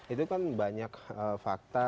itu kan banyak fakta